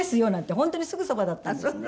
本当にすぐそばだったんですね。